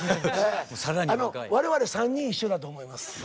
我々３人一緒だと思います。